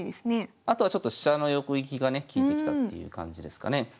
あとは飛車の横利きがね利いてきたっていう感じですかね。